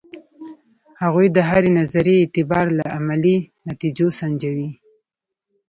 هغوی د هرې نظریې اعتبار له عملي نتیجو سنجوي.